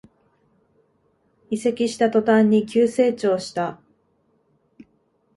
移籍した途端に急成長した